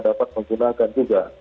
dapat menggunakan juga